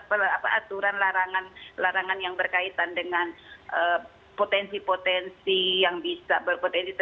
apa aturan larangan larangan yang berkaitan dengan potensi potensi yang bisa berpotensi